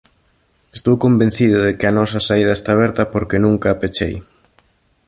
Estou convencido de que a nosa saída está aberta porque nunca a pechei.